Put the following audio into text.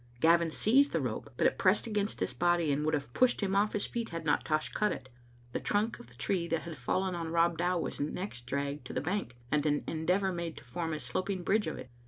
Gavin seized the rope, but it pressed against his' body, and would have pushed him off his feet had not Tosh cut it. The trunk of the tree Digitized by VjOOQ IC TRain— Ai0t— ttbe 5aw0. ^ that had falleii dn Rob Dow was next dragged to the bank and an endeavor made to form a sloping bridge of it.